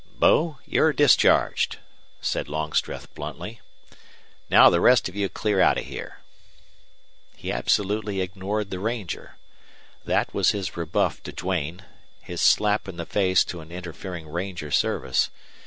"Bo, you're discharged," said Longstreth, bluntly. "Now the rest of you clear out of here." He absolutely ignored the ranger. That was his rebuff to Duane his slap in the face to an interfering ranger service.